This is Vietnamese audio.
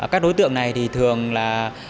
các đối tượng này thì thường là